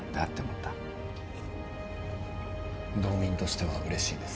道民としてはうれしいです。